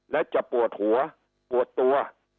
และจะปวดหัวปวดตัว